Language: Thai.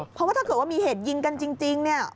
เพราะว่าถ้าเกิดว่ามีเหตุยิงกันจริงเนี่ย